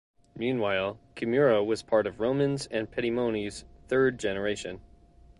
Meanwhile, Kimura was part of Romans and Petitmoni's third generation.